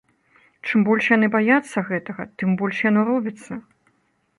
Чым больш яны баяцца гэтага, тым больш яно робіцца.